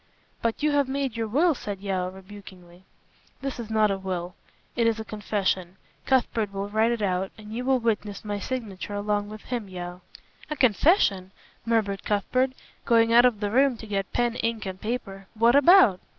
"But you have made your will," said Yeo, rebukingly. "This is not a will. It is a confession. Cuthbert will write it out and you will witness my signature along with him, Yeo." "A confession!" murmured Cuthbert, going out of the room to get pen, ink and paper. "What about?"